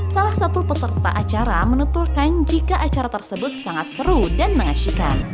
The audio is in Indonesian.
salah satu peserta acara menuturkan jika acara tersebut sangat seru dan mengasihkan